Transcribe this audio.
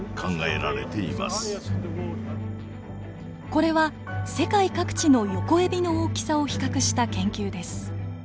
これは世界各地のヨコエビの大きさを比較した研究です。